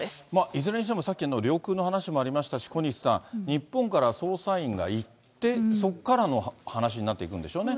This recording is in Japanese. いずれにしても、さっきのりょうくうの話もありましたし、小西さん、日本から捜査員が行って、そこからの話になっていくんでしょうね。